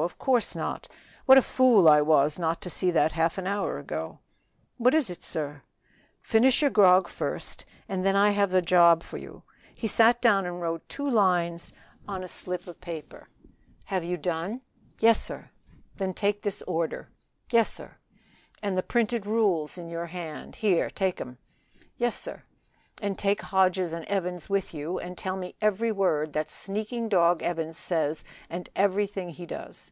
of course not, what a fool I was not to see that half an hour ago." "What is it, sir?" "Finish your grog first, and then I have a job for you." He sat down and wrote two lines on a slip of paper. "Have you done?" "Yes, sir." "Then take this order." "Yes, sir." "And the printed rules in your hand here, take 'em." "Yes, sir." "And take Hodges and Evans with you, and tell me every word that sneaking dog, Evans, says and everything he does."